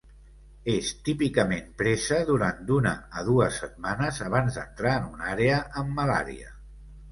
És típicament presa durant d'una a dues setmanes abans d'entrar en una àrea amb malària.